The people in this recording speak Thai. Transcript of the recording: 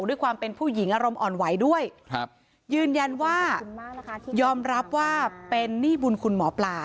ด้วยความเป็นผู้หญิงอารมณ์อ่อนไหวด้วยยืนยันว่ายอมรับว่าเป็นหนี้บุญคุณหมอปลา